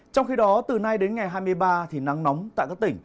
trong khi đó từ nay đến ngày hai mươi ba thì nắng nóng tại các tỉnh